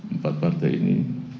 empat partai ini